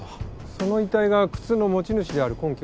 その遺体が靴の持ち主である根拠は？